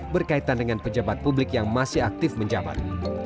berkaitan dengan pejabat publik yang masih aktif menjabat